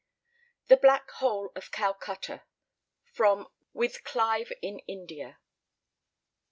*THE BLACK HOLE OF CALCUTTA.* *FROM "WITH CLIVE IN INDIA."